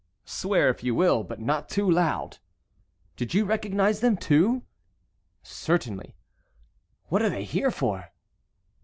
"Swear if you will, but not too loud." "Did you recognize them too?" "Certainly." "What are they here for?"